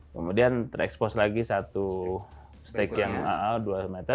kemudian terekspos lagi satu stik yang dua meter